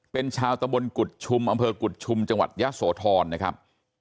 เป็นชาวตะบนกุฎชุมอำเภอกุฎชุมจังหวัดยะโสธรนะครับ